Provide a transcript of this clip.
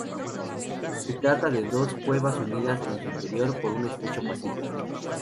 Se trata de dos cuevas unidas en su interior por un estrecho pasillo.